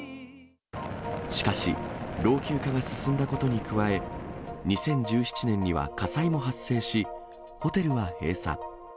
しかし、老朽化が進んだことに加え、２０１７年には火災も発生し、ホテルは閉鎖。